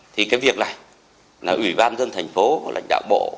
thì cái việc này là ủy ban nhân tp lãnh đạo bộ